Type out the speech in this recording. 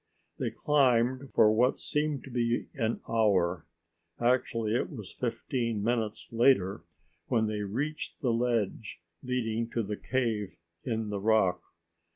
They climbed for what seemed an hour. Actually it was fifteen minutes later when they reached the ledge leading to the cave in the rock.